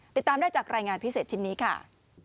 ติดตามได้จากรายงานพิเศษชิ้นนี้ค่ะ